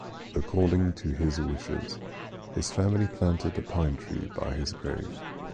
According to his wishes, his family planted a pine tree by his grave.